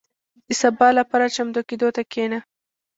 • د سبا لپاره چمتو کېدو ته کښېنه.